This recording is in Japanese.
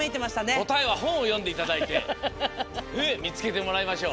こたえはほんをよんでいただいてでみつけてもらいましょう。